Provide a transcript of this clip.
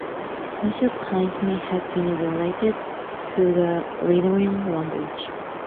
Messapian may have been related to the Illyrian language.